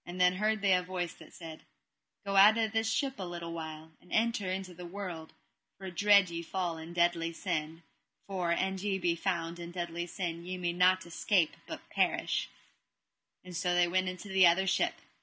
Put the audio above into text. Then heard they a voice that said: Go out of this ship a little while, and enter into the other, for dread ye fall in deadly sin, for and ye be found in deadly sin ye may not escape but perish: and so they went into the other ship.